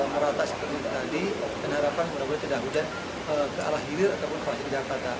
merata seperti tadi dan harapan mudah mudahan tidak ada kealahan di wilayah atau di jakarta